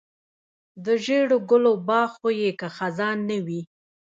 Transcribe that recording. د ژړو ګلو باغ خو یې که خزان نه وي.